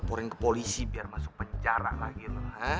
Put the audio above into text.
laporin ke polisi biar masuk penjara lagi lo